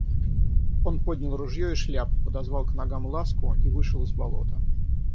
Он поднял ружье и шляпу, подозвал к ногам Ласку и вышел из болота.